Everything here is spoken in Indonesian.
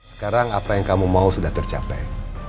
sekarang apa yang kamu mau sudah tercapai